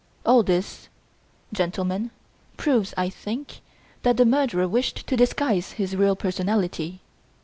All this, gentlemen, proves, I think, that the murderer wished to disguise his real personality.